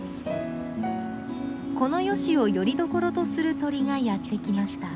このヨシをよりどころとする鳥がやって来ました。